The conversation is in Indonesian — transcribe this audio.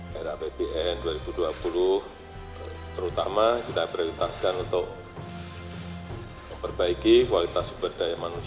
pertama kita memiliki kekuatan yang sangat penting untuk memperbaiki kualitas sdm